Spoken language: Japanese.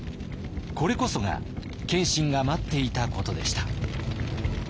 これこそが謙信が待っていたことでした。